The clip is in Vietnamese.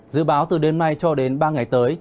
dự báo từ đêm nay cho đến ba ngày tới